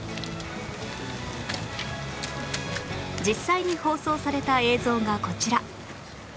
実際に放送された映像がこちら